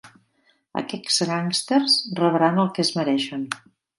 Aquests gàngsters rebran el que es mereixen.